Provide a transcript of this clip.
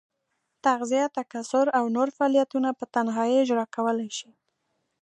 تغذیه، تکثر او نور فعالیتونه په تنهایي اجرا کولای شي.